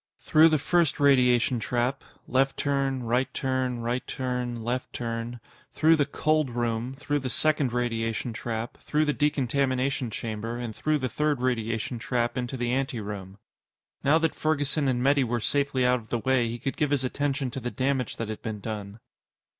Through the first radiation trap left turn, right turn, right turn, left turn through the "cold" room, through the second radiation trap, through the decontamination chamber, and through the third radiation trap into the anteroom. Now that Ferguson and Metty were safely out of the way, he could give his attention to the damage that had been done.